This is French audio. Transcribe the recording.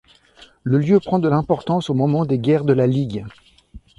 Le lieu prend de l'importance au moment des guerres de la Ligue.